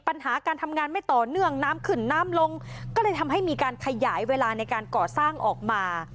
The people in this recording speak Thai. ปัญหาการทำงานไม่ต่อเนื่องน้ำขึ้นน้ำลงก็เลยทำให้มีการขยายเวลาในการก่อสร้างออกมา